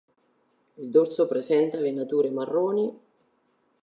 Il dorso presenta venature marroni.